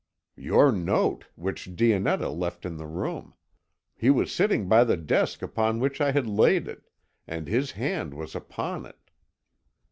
"Your note, which Dionetta left in the room. He was sitting by the desk upon which I had laid it, and his hand was upon it."